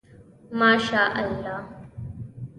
ماشاءالله